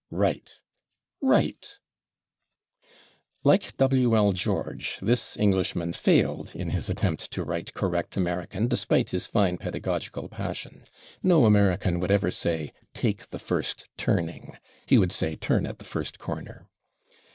/Right./ /Right!/ Like W. L. George, this Englishman failed in his attempt to write correct American despite his fine pedagogical passion. No American would ever say "take the first turning"; he would say "turn at the first corner."